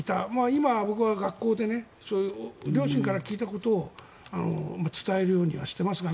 今、僕は学校で両親から聞いたことを伝えるようにはしていますが。